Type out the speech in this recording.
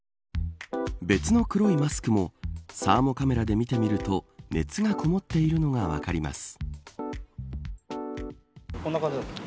別の黒いマスクもサーモカメラで見てみると熱がこもっているのが分かります。